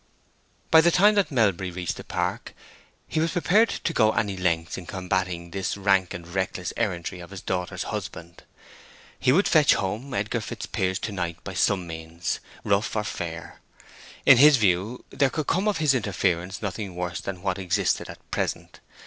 By the time that Melbury reached the park, he was prepared to go any lengths in combating this rank and reckless errantry of his daughter's husband. He would fetch home Edgar Fitzpiers to night by some means, rough or fair: in his view there could come of his interference nothing worse than what existed at present.